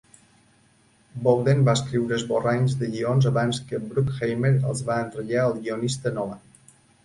Bowden va escriure esborranys de guions abans que Bruckheimer els va entregar al guionista Nolan.